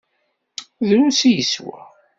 Drus i yeswa.